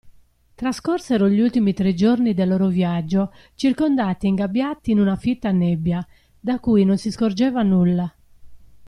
Trascorsero gli ultimi tre giorni del loro viaggio circondati e ingabbiati in una fitta nebbia, da cui non si scorgeva nulla.